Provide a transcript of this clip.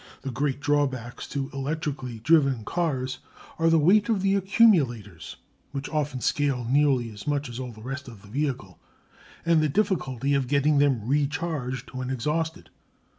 The great drawbacks to electrically driven cars are the weight of the accumulators (which often scale nearly as much as all the rest of the vehicle), and the difficulty of getting them recharged when exhausted.